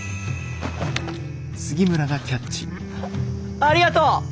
ありがとう！